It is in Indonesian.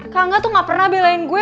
kakak tuh gak pernah belain gue